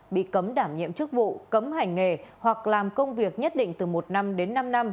bị cấm đảm nhiệm chức vụ cấm hành nghề hoặc làm công việc nhất định từ một năm đến năm năm